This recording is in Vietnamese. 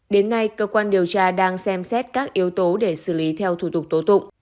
đến nay cơ quan điều tra đang xem xét các yếu tố để xử lý theo thủ tục tố tụng